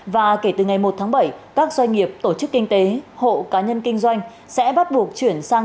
và kể từ ngày một tháng bảy các doanh nghiệp tổ chức kinh tế hộ cá nhân kinh doanh sẽ bắt buộc chuyển sang